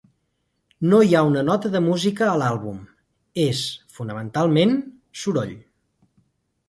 No hi ha una nota de música a l'àlbum; és, fonamentalment, soroll.